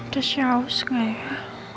tersiaus gak ya